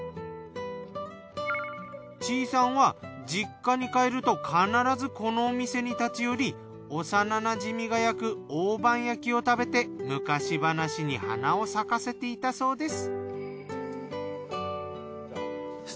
地井さんは実家に帰ると必ずこのお店に立ち寄り幼なじみが焼く大判焼きを食べて昔話に花を咲かせていたそうです。